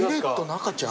赤ちゃん？